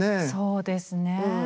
そうですね。